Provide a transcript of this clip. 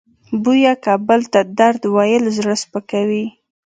بویه که بل ته درد ویل زړه سپکوي.